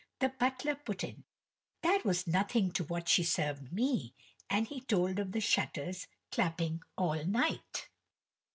The butler put in, "That was nothing to what she served me," and he told of the shutters clapping all night.